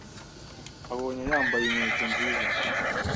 abonye yambaye inkweto nziza